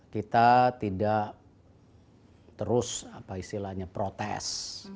kita tidak terus protes